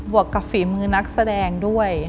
วกกับฝีมือนักแสดงด้วย